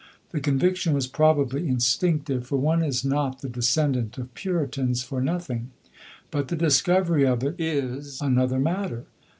The conviction was probably instinctive, for one is not the descendant of puritans for nothing; but the discovery of it is another matter.